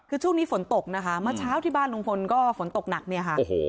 คือช่วงนี้ฝนตกนะคะเมื่อเช้าที่บ้านลุงพลก็ฝนตกหนักเนี่ยค่ะโอ้โห